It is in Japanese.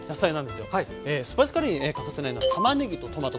スパイスカレーに欠かせないのはたまねぎとトマト